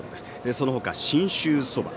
その他、信州そば